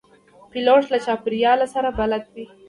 پیلوټ له چاپېریال سره بلد وي.